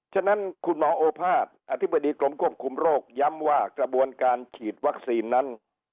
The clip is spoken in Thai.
ฉะนั้นคุณหมอโอภาษย์อธิบดีกรมควบคุมโรคย้ำว่ากระบวนการฉีดวัคซีนนั้น